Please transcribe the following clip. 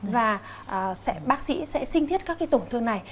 và bác sĩ sẽ sinh thiết các cái tổn thương này